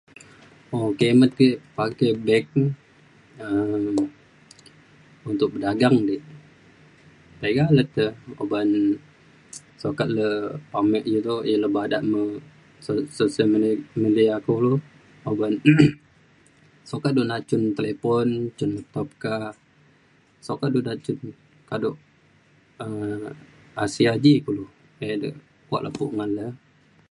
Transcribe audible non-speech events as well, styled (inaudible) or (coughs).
um kimet ek pakai bank um untuk bedagang dik tega lukte uku ba'an sokat le amik iu to ia le badak me se se se sosial media kulu oban (coughs) sokat du na'at cen telepon cen laptop ka sokat du naat cen kaduk um asia ji kulu ek dek kuak lepu' ngan le.